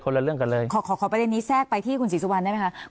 ละเรื่องกันเลยขอขอประเด็นนี้แทรกไปที่คุณศรีสุวรรณได้ไหมคะ